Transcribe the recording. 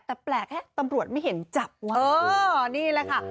แต่แปลกตำรวจไม่เห็นจับว่ะเออนี่แหละค่ะ